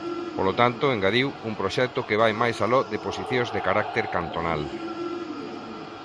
Polo tanto, engadiu, un proxecto que vai máis aló de posicións de carácter cantonal.